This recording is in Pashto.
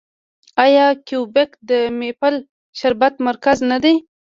آیا کیوبیک د میپل شربت مرکز نه دی؟